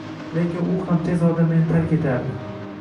Lekin u ham tez orada meni tark etardi